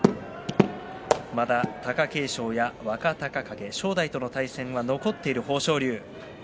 まだ貴景勝は若隆景、正代との対戦が残っている豊昇龍です。